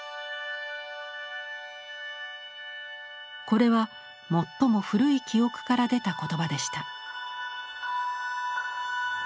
これは最も古い記憶から出た言葉でした。